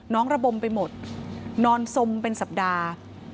ระบมไปหมดนอนสมเป็นสัปดาห์